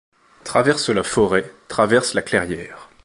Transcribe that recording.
Traverse la forêt, traverse la clairière